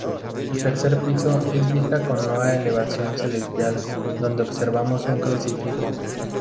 El tercer piso es vista como loa elevación celestial donde observamos un crucifijo.